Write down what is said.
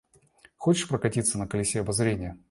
Хочешь прокатиться на колесе обозрения?